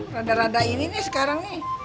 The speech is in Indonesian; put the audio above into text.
rada rada ini nih sekarang nih